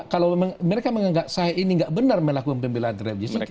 kalau mereka menganggap saya ini nggak benar melakukan pembelaan terhadap justru